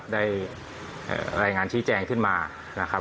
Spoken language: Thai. ได้รายงานชี้แจงขึ้นมา